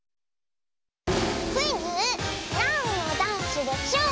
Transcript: クイズ「なんのダンスでしょう」